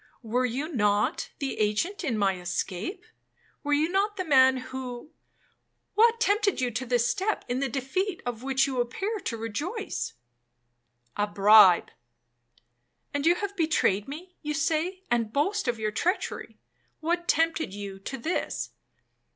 'Were you not the agent in my escape? Were you not the man who—What tempted you to this step, in the defeat of which you appear to rejoice?'—'A bribe.'—'And you have betrayed me, you say, and boast of your treachery,—what tempted you to this?'